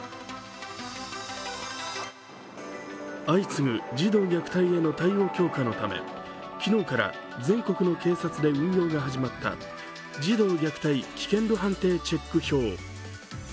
相次ぐ児童虐待への対応強化のため昨日から全国の警察で運用が始まった児童虐待危険度判定チェック票。